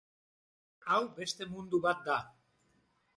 Hau beste mundu bat da.